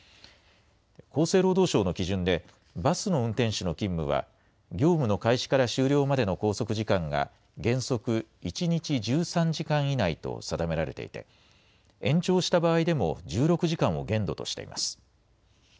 厚生労働省の基準で、バスの運転手の勤務は、業務の開始から終了までの拘束時間が、原則１日１３時間以内と定められていて、延長した場合でも１６時間を限度としています。